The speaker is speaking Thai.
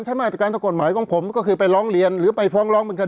จริงผมไม่อยากสวนนะฮะเพราะถ้าผมสวนเนี่ยมันจะไม่ใช่เรื่องของการทำร้ายร่างกาย